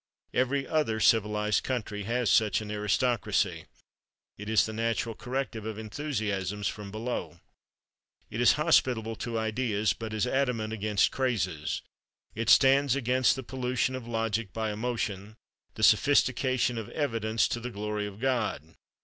Every other civilized country has such an aristocracy. It is the natural corrective of enthusiasms from below. It is hospitable to ideas, but as adamant against crazes. It stands against the pollution of logic by emotion, the sophistication of evidence to the glory of God.